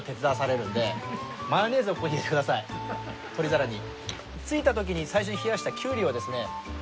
取り皿に。